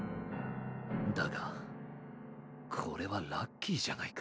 だがこれはラッキーじゃないか？